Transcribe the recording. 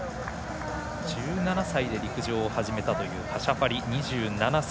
１７歳で陸上を始めたというカシャファリ、２７歳。